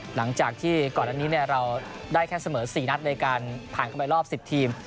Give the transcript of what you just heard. หลังจากที่ก่อนอันนี้เราได้แค่เสมอ๔นัดในการผ่านเข้าไปรอบ๑๐ทีม